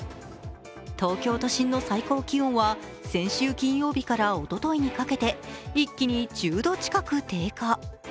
東京都心の最高気温は先週金曜日からおとといにかけて一気に１０度近く低下。